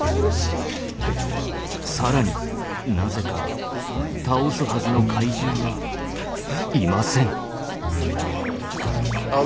更になぜか倒すはずの怪獣がいません。